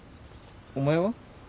お前は？